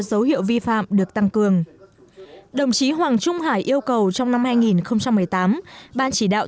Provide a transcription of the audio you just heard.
dấu hiệu vi phạm được tăng cường đồng chí hoàng trung hải yêu cầu trong năm hai nghìn một mươi tám ban chỉ đạo